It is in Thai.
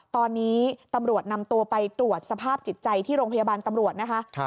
ตอนนี้ตำรวจนำตัวไปตรวจสภาพจิตใจที่โรงพยาบาลตำรวจนะคะ